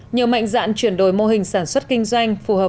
nhiều mạnh dạng chuyển đổi mô hình sản xuất kinh doanh